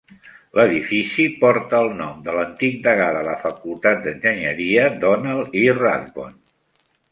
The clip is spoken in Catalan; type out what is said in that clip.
L'edifici porta el nom de l'antic degà de la facultat d'enginyeria, Donald E. Rathbone.